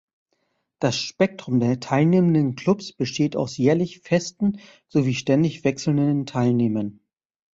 Das Spektrum der teilnehmenden Clubs besteht aus jährlich festen sowie ständig wechselnden Teilnehmern.